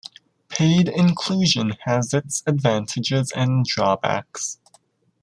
Paid inclusion has its advantages and drawbacks.